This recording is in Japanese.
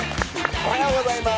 おはようございます。